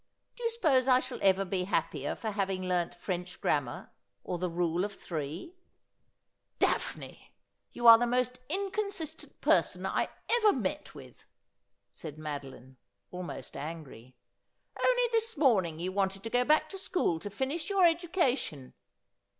Do you suppose I shall ever be happier for having learnt French grammar, or the Rule of Three !' I 130 Asphodel. ' Daphne, you are the most inconsistent person I ever met with,' said Madoline, almost angry. ' Only this morning you wanted to go back to school to finish your education.'